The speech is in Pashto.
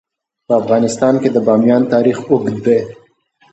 په افغانستان کې د بامیان تاریخ اوږد دی.